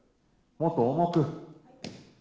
もっと重く。